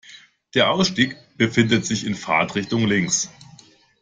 Der Ausstieg befindet sich in Fahrtrichtung links.